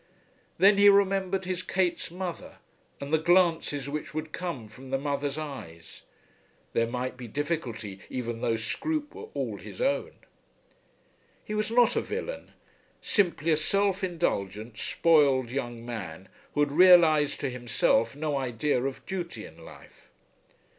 Then he remembered his Kate's mother, and the glances which would come from the mother's eyes. There might be difficulty even though Scroope were all his own. He was not a villain; simply a self indulgent spoiled young man who had realized to himself no idea of duty in life.